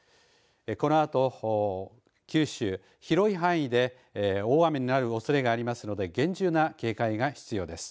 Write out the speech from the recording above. このあと九州、広い範囲で大雨になるおそれがありますので厳重な警戒が必要です。